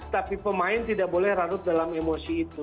tapi pemain tidak boleh rarut dalam emosi itu